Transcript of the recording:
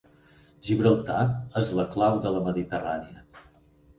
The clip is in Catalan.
Gibraltar és la clau de la Mediterrània.